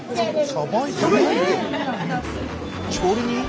調理人？